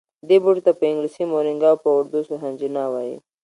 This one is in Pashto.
دې بوټي ته په انګلیسي مورینګا او په اردو سوهنجنا وايي